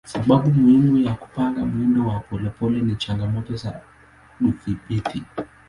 Sababu muhimu ya kupanga mwendo wa polepole ni changamoto za udhibiti.